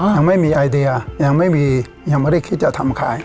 ยังไม่มีไอเดียยังไม่ได้คิดจะทำขาย